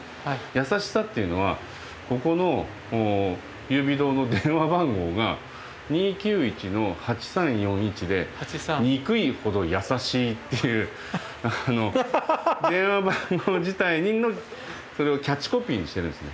優しさっていうのはここの優美堂の電話番号が２９１−８３４１で「ニクイホドヤサシイ」っていう電話番号自体にそれをキャッチコピーにしてるんですね。